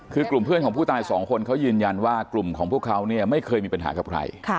คือกลุ่มเพื่อนของผู้ตายสองคนเขายืนยันว่ากลุ่มของพวกเขาเนี่ยไม่เคยมีปัญหากับใคร